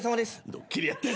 ドッキリやった！